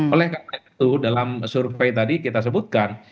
oleh karena itu dalam survei tadi kita sebutkan